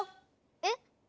えっ？